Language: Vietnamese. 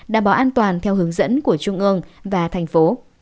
đảm bảo an toàn theo hướng dẫn của trung ương và thành phố